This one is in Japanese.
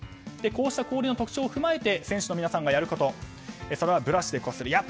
こうした氷の特徴を踏まえて選手の皆さんがやることはブラシでこする。